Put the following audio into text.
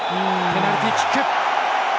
ペナルティーキック！